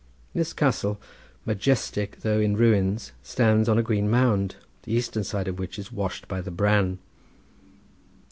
This castle, majestic though in ruins, stands on a green mound, the eastern side of which is washed by the Bran.